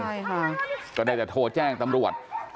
ใช่ค่ะก็ได้แต่โทรแจ้งตำรวจ